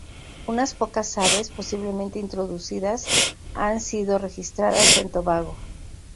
Unas pocas aves, posiblemente introducidas, han sido registradas en Tobago.